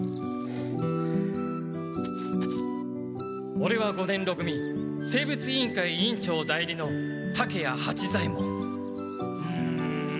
オレは五年ろ組生物委員会委員長代理の竹谷八左ヱ門うむ。